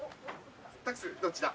タックスどっちだ？